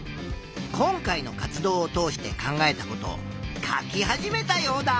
今回の活動を通して考えたことを書き始めたヨウダ。